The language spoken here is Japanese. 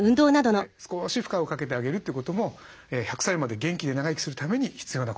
少し負荷をかけてあげるということも１００歳まで元気で長生きするために必要なことです。